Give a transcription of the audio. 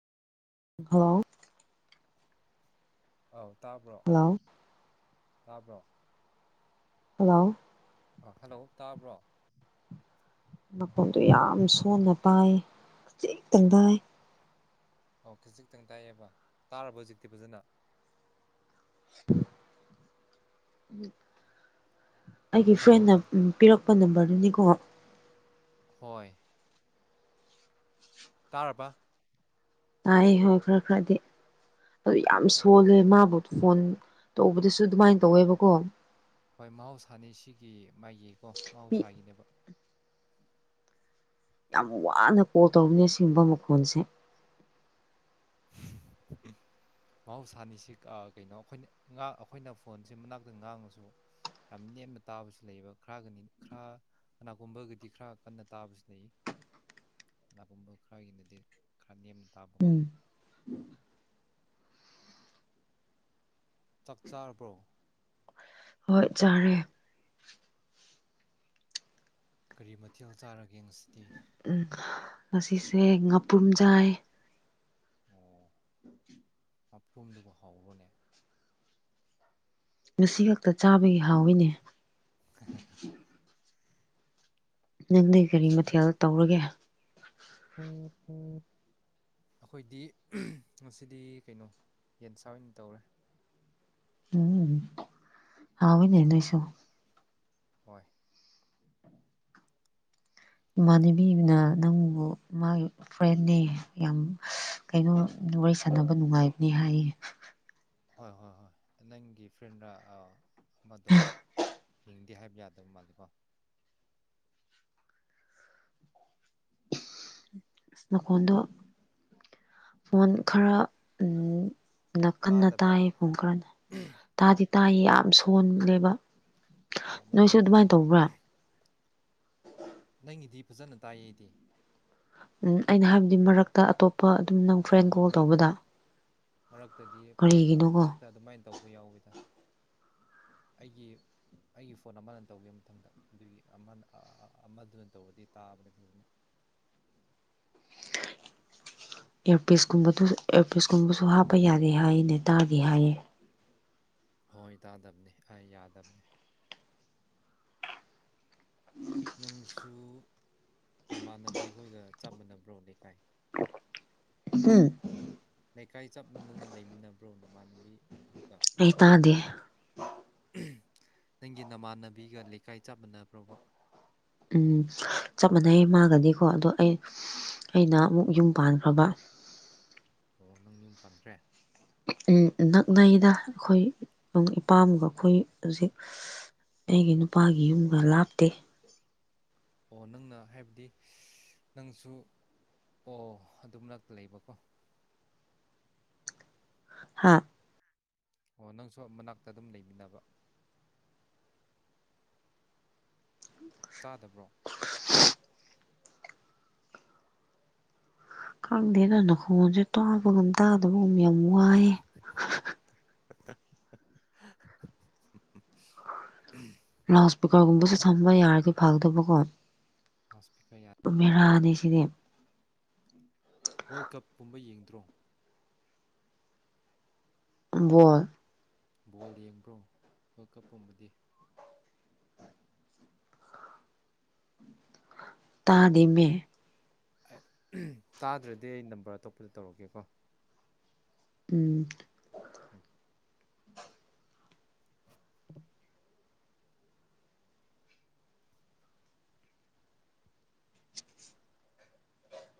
ꯍꯂꯥꯎ ꯑꯥꯎ ꯇꯥꯕ꯭ꯔꯣ ꯍꯜꯂꯣ ꯇꯥꯕ꯭ꯔꯣ ꯍꯜꯂꯣ ꯍꯜꯂꯣ ꯇꯥꯕ꯭ꯔꯣ ꯃꯈꯣꯟꯗꯨꯣ ꯌꯥꯝ ꯁꯣꯟꯅ ꯄꯥꯏ ꯈꯖꯤꯤꯛꯇꯪ ꯥꯏ ꯑꯣ ꯈꯖꯤꯛꯇꯪ ꯇꯥꯏꯌꯦꯦꯕ ꯇꯥꯔꯕ ꯍꯧꯖꯤꯛꯇꯤ ꯐꯖꯅ ꯎ ꯑꯩꯒꯤ ꯍꯜꯂꯣ ꯐ꯭ꯔꯦꯟꯅ ꯄꯤꯔꯛꯄ ꯅꯝꯕꯔꯗꯨꯅꯤꯀꯣ ꯍꯣꯏ ꯇꯥꯔꯕ ꯇꯥꯏ ꯍꯣꯏ ꯈꯔ ꯈꯔꯗꯤ ꯑꯗꯨ ꯌꯥꯝ ꯁꯣꯜꯂꯦ ꯃꯥꯕꯨ ꯐꯣꯟ ꯇꯧꯕꯗꯁꯨ ꯑꯗꯨꯃꯥꯏꯅ ꯇꯧꯋꯦꯕꯀꯣ ꯍꯣꯏ ꯃꯍꯧꯁꯥꯅꯤ ꯁꯤꯒꯤ ꯃꯥꯒꯤꯀꯣ ꯃꯤ ꯃꯍꯧꯁꯥꯒꯤꯅꯦꯕ ꯌꯥꯝ ꯋꯥꯅ ꯀꯣꯜ ꯇꯧꯕꯅꯦ ꯁꯤꯒꯨꯝꯕ ꯃꯈꯣꯟꯜꯁꯦ [inaudible] ꯃꯍꯧꯁꯥꯅꯤꯁꯤ ꯀꯩꯅꯣ ꯑꯩꯈꯣꯏꯅ ꯑꯩꯈꯣꯏꯅ ꯐꯣꯟꯁꯦ ꯃꯅꯥꯛꯇ ꯉꯥꯡꯉꯁꯨ ꯌꯥꯝ ꯅꯦꯝꯅ ꯇꯥꯕꯁꯨ ꯂꯩꯕ ꯈꯔꯒꯅꯤ ꯈꯔ ꯀꯅꯥꯒꯨꯝꯕꯒꯗꯤ ꯈꯔ ꯀꯟꯅ ꯇꯥꯕꯁꯨ ꯂꯩ ꯀꯅꯥꯒꯨꯝꯕ ꯈꯔꯒꯤꯅꯗꯤ ꯈꯔ ꯅꯦꯝꯅ ꯇꯥꯕꯀꯣ ꯎꯝ ꯆꯥꯛ ꯆꯥꯔꯕ꯭ꯔꯣ ꯍꯠꯆꯔꯦ ꯀꯔꯤ ꯃꯊꯦꯜ ꯆꯥꯔꯒꯦꯁꯤꯗꯤ ꯎꯝ ꯉꯁꯤꯁꯦ ꯉꯥꯄ꯭ꯔꯨꯝꯖꯥꯏ ꯑꯣ ꯑꯞ꯭ꯔꯨꯝꯗꯨꯕꯨ ꯍꯥꯎꯕꯅꯦ ꯉꯁꯤ ꯈꯛꯇ ꯆꯥꯕꯒꯤ ꯍꯥꯎꯋꯤꯅꯦ ꯅꯪꯗꯤ ꯀꯔꯤ ꯃꯊꯦꯜ ꯇꯧꯔꯒꯦ ꯎꯝ ꯎꯝ ꯑꯩꯈꯣꯏꯗꯤ ꯉꯁꯤꯗꯤ ꯀꯩꯅꯣ ꯌꯦꯟꯁꯥ ꯑꯣꯏꯅ ꯇꯧꯔꯦ ꯎꯝ ꯍꯥꯎꯅꯦ ꯅꯣꯏꯁꯨ ꯍꯣꯏ ꯏꯃꯥꯟꯅꯕꯤꯅ ꯅꯪꯕꯨ ꯃꯥꯒꯤ ꯐ꯭ꯔꯦ ꯌꯥꯝ ꯀꯩꯅꯣ ꯑꯣ ꯋꯥꯔꯤ ꯁꯥꯟꯅꯕ ꯅꯨꯡꯉꯥꯏꯕꯅꯤ ꯍꯥꯏꯌꯦ ꯍꯣꯏ ꯍꯣꯏ ꯍꯣꯏ ꯅꯪꯒꯤ ꯐ꯭ꯔꯦꯟꯗ ꯑꯃꯗꯣ ꯍꯡꯗꯦ ꯍꯥꯏꯕ ꯌꯥꯗꯕ ꯃꯥꯜꯂꯤꯦꯀꯣ ꯅꯀꯗ ꯃꯣꯟ ꯈꯔ ꯎꯝ ꯀꯟꯅ ꯇꯥꯗꯕ꯭ꯔꯥ ꯇꯥꯏꯌꯦ ꯄꯨꯡ ꯈꯔꯅ ꯇꯥꯗꯤ ꯇꯥꯏꯌꯦ ꯌꯥꯝ ꯁꯣꯜꯂꯦꯕ ꯑꯣ ꯅꯣꯏꯁꯨ ꯃꯊꯪꯗꯗꯤ ꯑꯗꯨꯃꯥꯏꯅ ꯇꯧꯕ꯭ꯔꯥ ꯅꯪꯒꯤꯗꯤ ꯐꯖꯅ ꯇꯥꯏꯌꯦꯗꯤ ꯎꯝ ꯑꯩꯅ ꯍꯥꯏꯕꯗꯤ ꯃꯔꯛꯇ ꯑꯇꯣꯞꯄ ꯑꯗꯨꯝ ꯅꯪ ꯍꯣꯏ ꯐ꯭ꯔꯦꯟ ꯍꯣꯏ ꯀꯣꯜ ꯃꯔꯛꯇ ꯇꯧꯕꯗ ꯃꯔꯛꯇꯗꯤ ꯀꯔꯤꯒꯤꯅꯣꯀꯣ ꯃꯔꯛꯇ ꯑꯗꯨꯃꯥꯏꯅ ꯇꯧꯕ ꯌꯥꯎꯋꯦꯗ ꯑꯩꯒꯤ ꯑꯩꯒꯤ ꯐꯣꯟ ꯑꯃꯅ ꯇꯧꯒꯦ ꯃꯊꯪꯗ ꯑꯗꯨꯒꯤ ꯑꯃ ꯑꯃꯗꯨꯅ ꯇꯧꯕꯔꯗꯤ ꯇꯥꯕꯅꯦ ꯐꯖꯅ [inaudible] ꯏꯌꯔꯄꯤꯁ ꯀꯨꯝꯕꯗꯨ ꯏꯌꯥꯔꯄꯤꯁ ꯀꯨꯝꯕꯁꯨ ꯍꯥꯞꯄ ꯌꯥꯔꯦ ꯍꯥꯏꯅꯦ ꯇꯥꯔꯗꯤ ꯍꯥꯏꯌꯦ ꯍꯣꯏ ꯇꯥꯗꯕꯅꯤ ꯑꯩ ꯌꯥꯗꯕꯅꯤ ꯅꯪꯁꯨ ꯃꯃꯥꯟꯅꯕꯤ ꯈꯈꯣꯏꯒ ꯆꯞ ꯃꯥꯟꯅꯕ꯭ꯔꯣ ꯂꯩꯀꯥꯏ ꯎꯝ ꯕ꯭ꯔꯣꯅ ꯃꯥꯟꯕꯤ ꯑꯩ ꯇꯗꯦ ꯅꯪꯒꯤ ꯅꯃꯥꯟꯅꯕꯤꯒ ꯂꯩꯀꯥꯏ ꯆꯞ ꯃꯥꯟꯟꯅꯕ꯭ꯔꯕ ꯎꯝ ꯆꯞ ꯃꯥꯟꯅꯩ ꯃꯥꯒꯗꯤꯀꯣ ꯑꯗꯣ ꯑꯩ ꯑꯩꯅ ꯑꯃꯨꯛ ꯌꯨꯝ ꯄꯥꯟꯈ꯭ꯔꯕ ꯑꯣ ꯅꯪ ꯌꯅꯤꯨꯝ ꯄꯥꯟꯈ꯭ꯔꯦ ꯅꯛꯅꯩꯗ ꯑꯩꯈꯣꯏ ꯏꯄꯥꯝꯒ ꯑꯩꯈꯣꯏ ꯍꯧꯖꯤꯛ ꯑꯩꯒꯤ ꯅꯨꯄꯥꯒꯤ ꯌꯨꯝꯒ ꯂꯥꯞꯇꯦ ꯑꯣ ꯅꯪꯅ ꯍꯥꯏꯕꯗꯤ ꯅꯪꯁꯨ ꯑꯣ ꯑꯗꯨꯝꯂꯛꯇ ꯂꯩꯕꯀꯣ ꯍꯥꯥ ꯑꯣ ꯅꯪꯁꯨ ꯃꯅꯥꯛꯇ ꯑꯗꯨꯝ ꯂꯩꯃꯤꯟꯅꯕ ꯆꯥꯗꯕ꯭ꯔꯣ ꯈꯪꯗ ꯅꯅ ꯈꯣꯡꯁꯦ ꯇꯥꯕꯒꯗꯥꯗꯕꯃꯤ ꯌꯥꯝꯃ ꯋꯥꯑ [unintelligible] ꯂꯥꯎꯠ ꯏꯁꯄꯤꯀꯔꯒꯨꯝꯕꯁꯨ ꯁꯝꯕ ꯌꯥꯔꯗꯤ ꯐꯗꯕꯀꯣ ꯑꯁꯄꯤꯤꯀꯥ ꯌꯥꯗꯦ ꯁꯤꯗꯤ ꯋꯥꯔꯜ ꯀꯞ ꯄꯨꯝꯕ ꯌꯦꯡꯗ꯭ꯔꯣ [unintelligible] ꯕꯣꯜ ꯌꯦꯡꯕ꯭ꯔꯣ ꯋꯥꯔꯜ ꯀꯞ ꯄꯨꯝꯕꯗꯤ ꯇꯥꯗꯤꯃꯦ ꯇꯥꯗ꯭ꯔꯗꯤ ꯑꯩ ꯅꯝꯕꯔ ꯑꯇꯣꯞꯄꯗ ꯇꯧꯔꯛꯀꯦꯀꯣ ꯎꯝ ꯎꯝ [unintelligible]